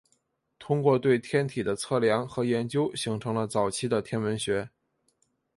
通过对天体的测量和研究形成了早期的天文学。